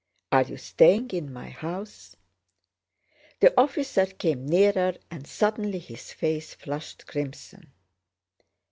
"Are you staying in my house?" The officer came nearer and suddenly his face flushed crimson.